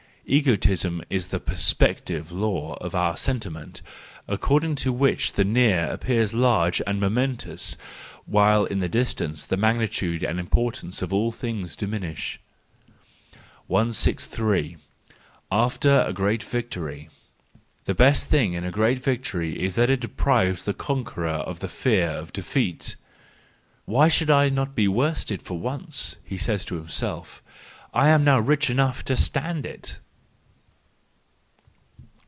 —Egoism is the perspective law of our sentiment, according to which the near appears large and momentous, while in the distance the magnitude and importance of all things diminish. 188 THE JOYFUL WISDOM, III 163. After a Great Victory. —The best thing in a great victory is that it deprives the conqueror of the fear of defeat. "Why should I not be worsted for once ?" he says to himself, " I am now rich enough to stand it."